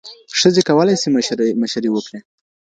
ښځي کولای سي مشري وکړي.